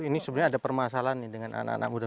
ini sebenarnya ada permasalahan nih dengan anak anak muda